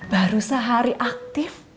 baru sehari aktif